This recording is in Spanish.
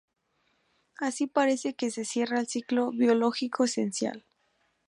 Así parece que se cierra el ciclo biológico esencial.